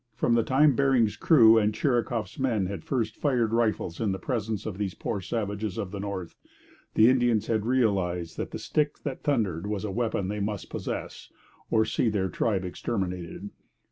From the time Bering's crew and Chirikoff's men had first fired rifles in the presence of these poor savages of the North, the Indians had realized that 'the stick that thundered' was a weapon they must possess, or see their tribe exterminated.